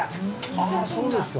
ああそうですか。